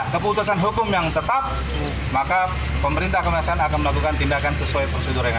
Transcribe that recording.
keputusan hukum yang tetap maka pemerintah kemasan akan melakukan tindakan sesuai prosedur yang ada